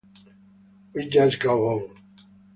We just go on.